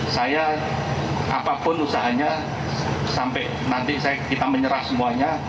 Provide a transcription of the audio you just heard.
saya apapun usahanya sampai nanti kita menyerah semuanya